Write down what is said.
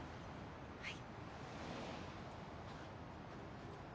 はい。